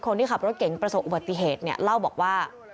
คนที่ขับรถเก๋งประสบอุบัติเหตุเนี่ยเล่าบอกว่า